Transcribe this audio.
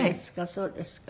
そうですか。